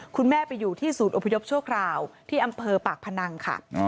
คุณแม่ไปอยู่ที่ศูนย์อพยพชั่วคราวที่อำเภอปากพนังค่ะ